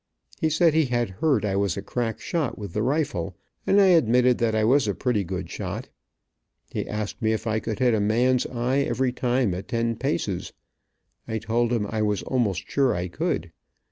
He said he had heard I was a crack shot with the rifle, and I admitted that I was a pretty good shot. He asked me if I could hit a man's eye every time at ten paces. I told him I was almost sure I could.